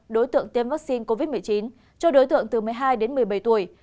đối tượng tiêm vaccine covid một mươi chín cho đối tượng từ một mươi hai đến một mươi bảy tuổi